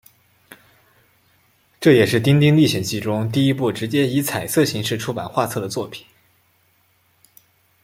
这也是丁丁历险记中第一部直接以彩色形式出版画册的作品。